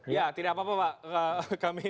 ya tidak apa apa pak